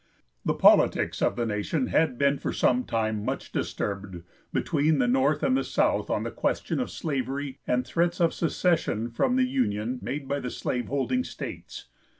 The politics of the nation had been for some time much disturbed between the North and the South, on the question of slavery, and threats of secession from the Union made by the slave holding states.